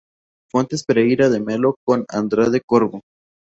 Fontes Pereira de Melo" con "Andrade Corvo".